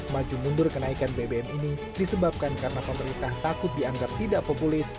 maju mundur kenaikan bbm ini disebabkan karena pemerintah takut dianggap tidak populis